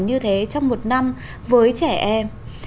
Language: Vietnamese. như thế trong một năm với trẻ em